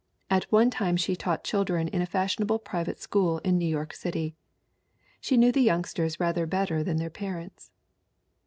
At one time she taught children in a fashionable private school in New York City. She knew the youngsters rather better than their parents.